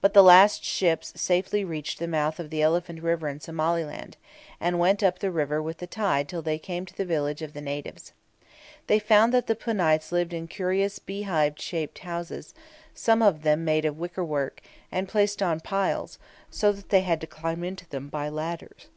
But at last the ships safely reached the mouth of the Elephant River in Somaliland, and went up the river with the tide till they came to the village of the natives. They found that the Punites lived in curious beehive shaped houses, some of them made of wicker work, and placed on piles, so that they had to climb into them by ladders.